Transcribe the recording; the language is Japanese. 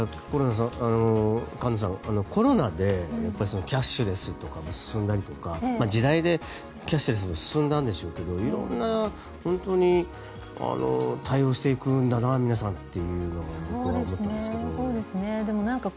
菅野さん、コロナでキャッシュレスとかも進んだりとか時代でキャッシュレスも進んだんでしょうけどいろんな対応をしていくんだな皆さんはっていうのを僕は思ったんですけど。